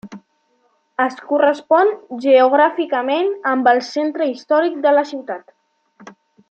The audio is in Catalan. Es correspon geogràficament amb el centre històric de la ciutat.